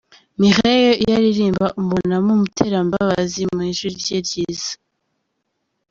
Mireille iyo aririmba umubonamo umuterambabazi mu ijwi rye ryiza.